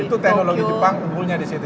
itu teknologi jepang unggulnya disitu